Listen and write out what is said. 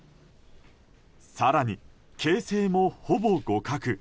更に、形勢もほぼ互角。